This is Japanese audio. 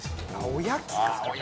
おやきか。